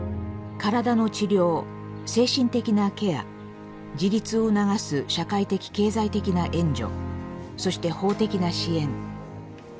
体の治療精神的なケア自立を促す社会的経済的な援助そして法的な支援。